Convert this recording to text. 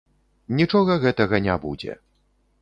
Нічога гэтага не будзе.